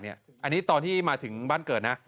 อันนี้ตอนที่มาถึงบ้านเกิดนะ